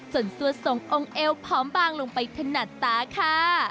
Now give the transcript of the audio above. จนสั่วส่งองค์เอวพร้อมบางลงไปถนัดตาค่ะ